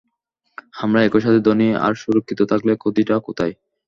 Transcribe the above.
আমরা একই সাথে ধনী আর সুরক্ষিত থাকলে ক্ষতিটা কোথায়?